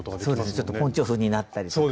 ちょっとポンチョ風になったりとか。